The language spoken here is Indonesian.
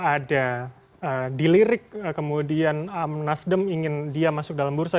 ada dilirik kemudian nasdem ingin dia masuk dalam bursa